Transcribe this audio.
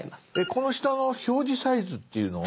この下の「表示サイズ」っていうのは。